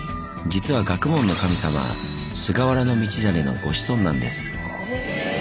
実は学問の神様菅原道真のご子孫なんです。